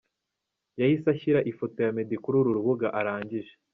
Yahise ashyira ifoto ya Meddy kuri uru rubuga arangije